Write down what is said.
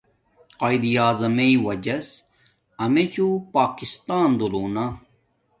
قایداعظمݵݵ واجس امچوں پاکسان دولونا